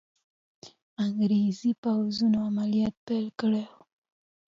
انګریزي پوځونو عملیات پیل کړي وو.